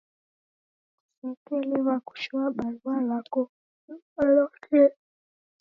Kusekeliw'a kushoa barua rako luma lwa kenyi.